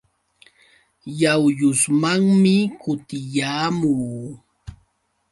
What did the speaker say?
Yawyusmanmi kutiyaamuu.